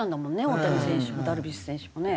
大谷選手もダルビッシュ選手もね。